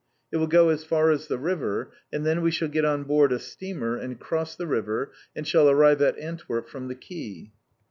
It will go as far as the river, and then we shall get on board a steamer, and cross the river, and shall arrive at Antwerp from the quay."